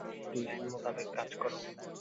Plan মোতাবেক কাজ করো।